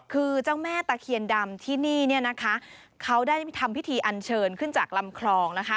คือเจ้าแม่ตะเคียนดำที่นี่เนี่ยนะคะเขาได้ทำพิธีอันเชิญขึ้นจากลำคลองนะคะ